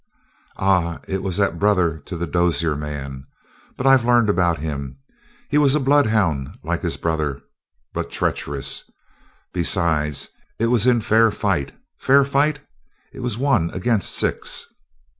"Ah, it was that brother to the Dozier man. But I've learned about him. He was a bloodhound like his brother, but treacherous. Besides, it was in fair fight. Fair fight? It was one against six!"